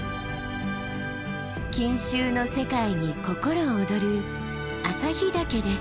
錦繍の世界に心躍る朝日岳です。